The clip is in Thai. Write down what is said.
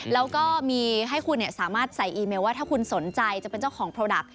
แล้วก็มีให้คุณสามารถใส่อีเมลว่าถ้าคุณสนใจจะเป็นเจ้าของโปรดักต